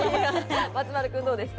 松丸君、どうですか？